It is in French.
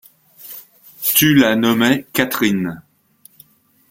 Tu la nommais Catherine.